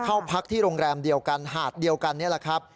เข้าพักที่โรงแรมเดียวกันหาดเดียวกันนี่แหละครับ